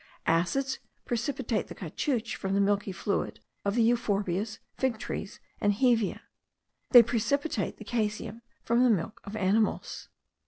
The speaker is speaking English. Acids precipitate the caoutchouc from the milky juice of the euphorbiums, fig trees, and hevea; they precipitate the caseum from the milk of animals.